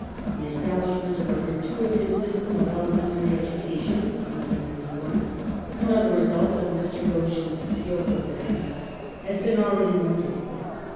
The es tablishment of a gratuitous system of elementary education (1891) — another result of Mr. Goschen's skilful finance — has been already noted.